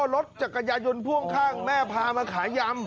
รถจักรยานยนต์พ่วงข้างแม่พามาขายยำ